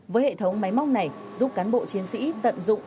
với hệ thống máy móc này giúp cán bộ chiến sĩ tận dụng